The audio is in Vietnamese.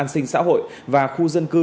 xã hội và khu dân cư